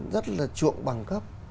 rất là truộng bằng cấp